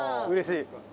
うれしい。